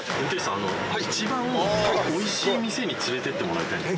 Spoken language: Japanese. あの一番美味しい店に連れてってもらいたいんです。